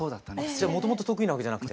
じゃもともと得意なわけじゃなくて？